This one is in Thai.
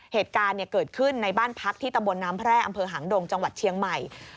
เหตุการณ์เกิดขึ้นในบ้านพักที่ตำบลน้ำแพร่อำเภอหางดงจังหวัดเชียงใหม่